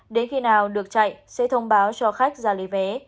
đến khi nào được chạy sẽ thông báo cho khách ra lấy vé